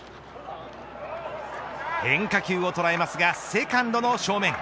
変化球をとらえますがセカンドの正面。